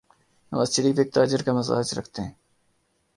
نوازشریف ایک تاجر کا مزاج رکھتے ہیں۔